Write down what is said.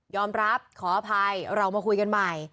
รับขออภัยเรามาคุยกันใหม่